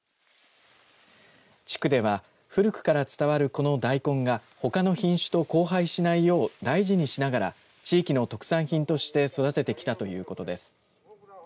地区では古くから伝わるこの大根がほかの品種と交配しないよう大事にしながら地域の特産品として育ててきたということです。